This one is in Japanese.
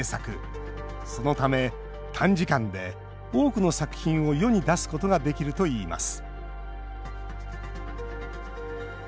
そのため、短時間で多くの作品を世に出すことができるといいます